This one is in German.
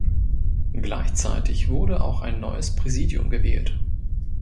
Gleichzeitig wurde auch ein neues Präsidium gewählt.